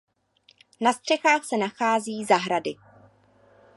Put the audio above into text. Na střechách se nachází zahrady.